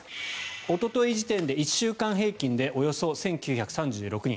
おととい時点で１週間平均でおよそ１９３６人。